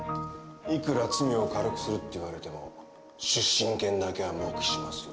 いくら罪を軽くするって言われても出身県だけは黙秘しますよ。